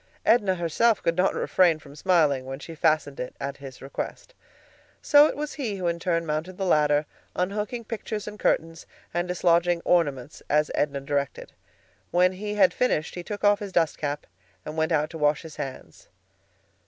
Edna herself could not refrain from smiling when she fastened it at his request. So it was he who in turn mounted the ladder, unhooking pictures and curtains, and dislodging ornaments as Edna directed. When he had finished he took off his dust cap and went out to wash his hands.